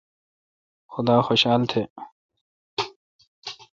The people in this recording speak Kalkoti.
خدا خوشال تہ۔